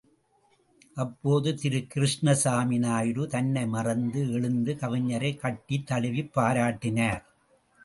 அப்போது திரு கிருஷ்ணசாமி நாயுடு தன்னை மறந்து எழுந்து கவிஞரைக் கட்டித் தழுவிப் பாராட்டினார்.